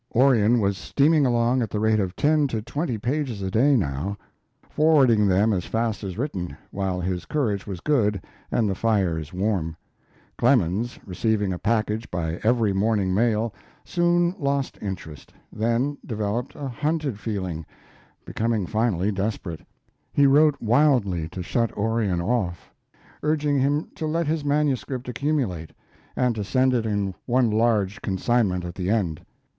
Onion was steaming along at the rate of ten to twenty pages a day now, forwarding them as fast as written, while his courage was good and the fires warm. Clemens, receiving a package by every morning mail, soon lost interest, then developed a hunted feeling, becoming finally desperate. He wrote wildly to shut Orion off, urging him to let his manuscript accumulate, and to send it in one large consignment at the end.